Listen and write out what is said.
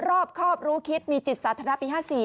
รอบคอบรู้คิดมีจิตศาสตร์ธนาปี๕๔